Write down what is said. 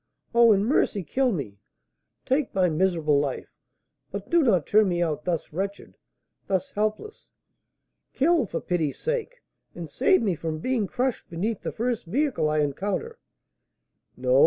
Oh, in mercy kill me! take my miserable life! but do not turn me out thus wretched, thus helpless! Kill, for pity's sake, and save me from being crushed beneath the first vehicle I encounter!" "No!